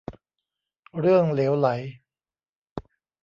เรื่องเหลวไหล